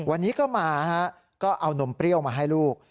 วันนี้ก็มาฮะก็เอานมเปรี้ยวมาให้ลูก